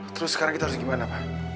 terus sekarang kita harus gimana pak